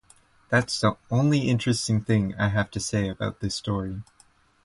That’s kinda the only interesting thing I have to say about this story.